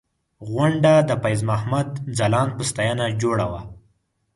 غونډه د فیض محمد ځلاند په ستاینه جوړه وه.